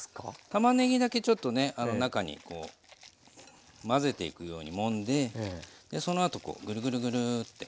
たまねぎだけちょっとね中に混ぜていくようにもんでその後こうグルグルグルーッて。